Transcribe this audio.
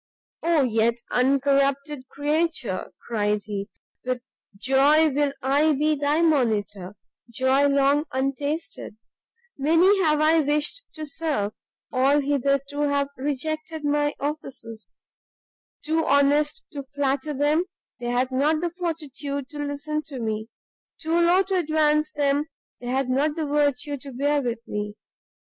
"Oh yet uncorrupted creature!" cried he, "with joy will I be thy monitor, joy long untasted! Many have I wished to serve, all, hitherto, have rejected my offices; too honest to flatter them, they had not the fortitude to listen to me; too low to advance them, they had not the virtue to bear with me.